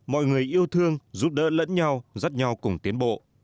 mọi người yêu thương giúp đỡ lẫn nhau dắt nhau cùng tiến bộ